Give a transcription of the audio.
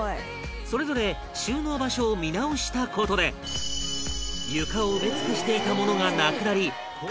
それぞれ収納場所を見直した事で床を埋め尽くしていた物がなくなり快適な部屋に